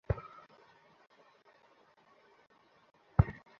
এক minute, Miss Huberman.